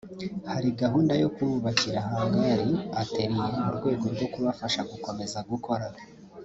hari gahunda yo kububakira Hangari (Atelier) mu rwego rwo kubafasha gukomeza gukora